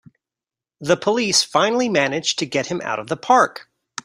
The police finally manage to get him out of the park!